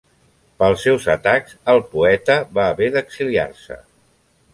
Pels seus atacs, el poeta va haver d'exiliar-se.